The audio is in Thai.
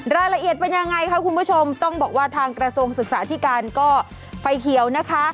รายละเอียดเป็นยังไงคะคุณผู้ชมต้องบอกว่าทางกระทรวงศึกษาที่การก็ไฟเขียวนะคะ